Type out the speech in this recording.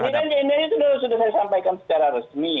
ya ini kan ini itu sudah saya sampaikan secara resmi